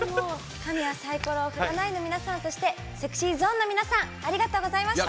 神はサイコロを振らないの皆さんそしてＳｅｘｙＺｏｎｅの皆さんありがとうございました。